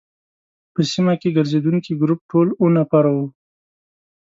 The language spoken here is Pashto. په سیمه کې ګرزېدونکي ګروپ ټول اووه نفره وو.